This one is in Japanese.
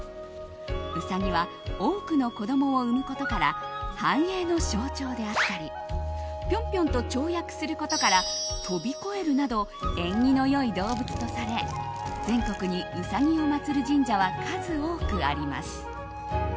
うさぎは多くの子供を産むことから繁栄の象徴であったりぴょんぴょんと跳躍することから飛び越えるなど縁起の良い動物とされ全国に、うさぎをまつる神社は数多くあります。